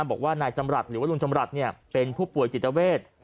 บอกว่านายจำรัฐหรือว่าลุงจำรัฐเป็นผู้ป่วยจิตเวท